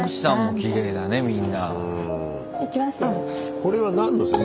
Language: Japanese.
これは何の写真？